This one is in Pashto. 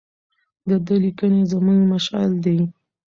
د ده لیکنې زموږ مشعل دي.